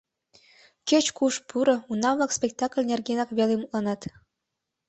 Кеч-куш пуро, уна-влак спектакль нергенак веле мутланат.